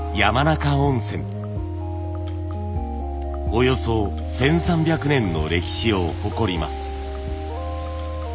およそ１，３００年の歴史を誇ります。